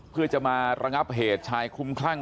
เพื่อจะมาระงับเหตุชายคลุมคลั่ง